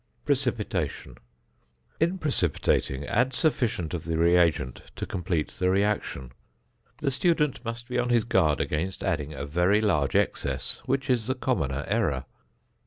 ~Precipitation.~ In precipitating add sufficient of the reagent to complete the reaction. The student must be on his guard against adding a very large excess, which is the commoner error.